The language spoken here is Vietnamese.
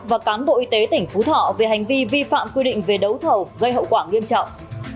và cán bộ y tế tỉnh phú thọ về hành vi vi phạm quy định về đấu thầu gây hậu quả nghiêm trọng